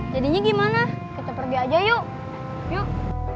jadinya gimana kita pergi aja yuk